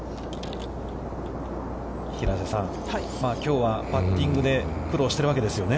平瀬さん、きょうはパッティングで苦労しているわけですよね。